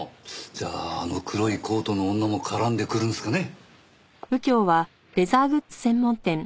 じゃああの黒いコートの女も絡んでくるんですかね？